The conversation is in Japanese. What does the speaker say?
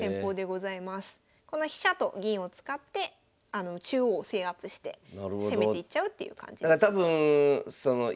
この飛車と銀を使って中央を制圧して攻めていっちゃうっていう感じの戦法です。